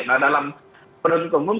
nah dalam peneliti keunggung